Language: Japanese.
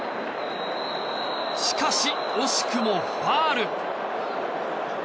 しかし、惜しくもファウル。